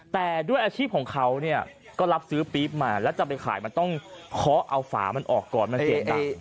แต่ด้วยอาชีพของเขาก็รับซื้อปี๊บมาแล้วจะไปขายมันต้องเคาะเอาฝามันออกก่อนมันเสียงดัง